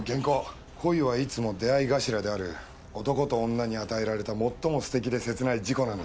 「恋はいつも出会い頭である男と女に与えられた最もすてきで切ない事故なのだ」